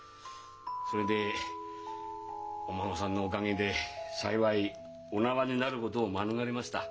それでお孫さんのおかげで幸いお縄になることを免れました。